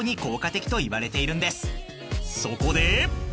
［そこで］